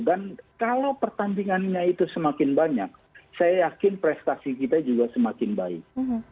dan kalau pertandingannya itu semakin banyak saya yakin prestasi kita juga semakin baik